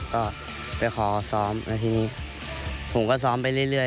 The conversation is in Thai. ก็ไปขอซ้อมแล้วทีนี้ผมก็ซ้อมไปเรื่อย